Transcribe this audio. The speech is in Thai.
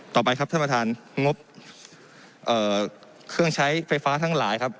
ต่อไปครับท่านประธานงบเครื่องใช้ไฟฟ้าทั้งหลายครับ